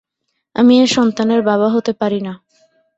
আমি এ সন্তানের বাবা হতে পারি না।